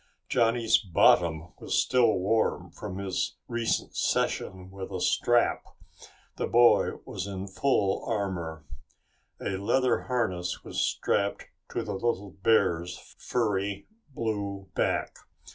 Johnny's bottom was still warm from his recent session with a strap. The boy was in full armor. A leather harness was strapped to the little bear's furry blue back.